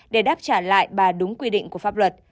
để đáp trả lại bà đúng quy định của pháp luật